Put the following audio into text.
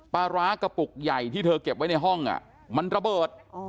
ปลาร้ากระปุกใหญ่ที่เธอเก็บไว้ในห้องมันระเบิด